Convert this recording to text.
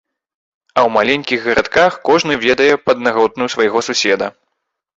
А ў маленькіх гарадках кожны ведае паднаготную свайго суседа.